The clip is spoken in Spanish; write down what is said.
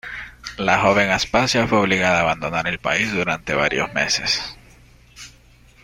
La joven Aspasia fue obligada a abandonar el país durante varios meses.